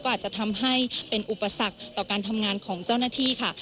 อาจจะทำให้เป็นอุปสรรคต่อการทำงานของเจ้าหน้าที่ค่ะ